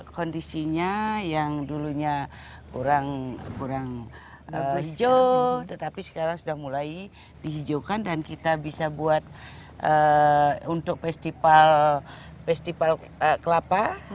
kondisinya yang dulunya kurang hijau tetapi sekarang sudah mulai dihijaukan dan kita bisa buat untuk festival kelapa